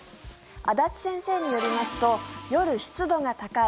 安達先生によりますと夜、湿度が高い